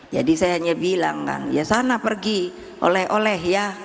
jadi saya hanya bilang kan ya sana pergi oleh oleh ya